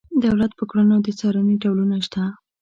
دولت په کړنو د څارنې ډولونه شته.